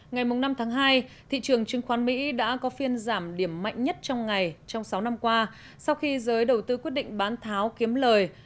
ngày năm tháng hai thị trường chứng khoán mỹ đã có phiên giảm điểm mạnh nhất trong ngày trong sáu năm qua sau khi giới đầu tư quyết định bán tháo kiếm lời